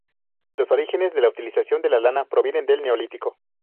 Los orígenes de la utilización de la lana provienen del Neolítico.